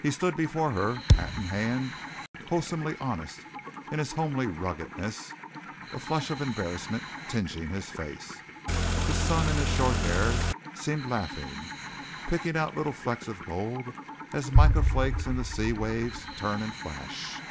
He stood before her, hat in hand, wholesomely honest in his homely ruggedness, a flush of embarrassment tinging his face. The sun in his short hair seemed laughing, picking out little flecks of gold as mica flakes in the sea waves turn and flash.